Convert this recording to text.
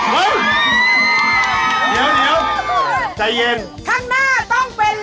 นัดให้หมดแม่หนูนัดให้หมด